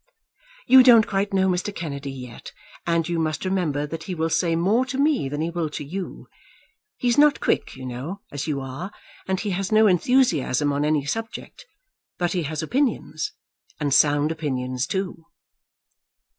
You don't quite know Mr. Kennedy yet. And you must remember that he will say more to me than he will to you. He's not quick, you know, as you are, and he has no enthusiasm on any subject; but he has opinions, and sound opinions too."